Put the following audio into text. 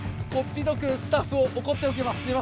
こっぴどくスタッフを怒っておきます。